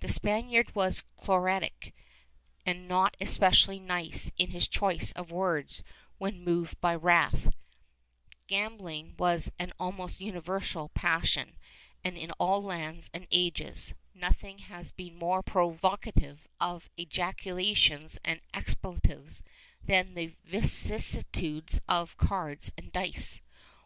The Spaniard was choleric, and not especially nice in his choice of words when moved by wrath; gambling was an almost universal passion and, in all lands and ages, nothing has been more provocative of ejaculations and expletives than the vicissitudes of cards and dice.